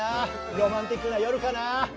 ロマンチックな夜かな？